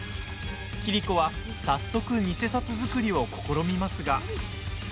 桐子は早速偽札作りを試みますが。